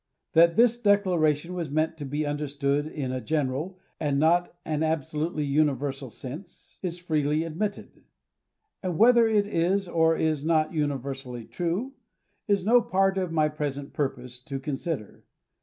That this declara tion was meant to be understood in a general, and not an abso lutely universal sense, is freely admitted ; and whether it is or is not universally true, is no part of my present purpose to con sider.